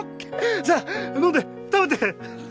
さあ飲んで食べて。